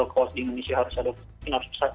kaos di indonesia harus ada